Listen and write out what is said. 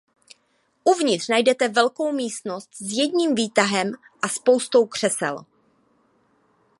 Uvnitř najdete velkou místnost s jedním výtahem a spoustou křesel.